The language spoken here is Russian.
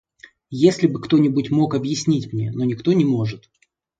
Если бы кто-нибудь мог объяснить мне, но никто не может.